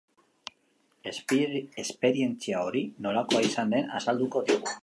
Esperientzia hori nolakoa izan den azalduko digu.